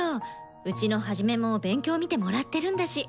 うちのハジメも勉強見てもらってるんだし。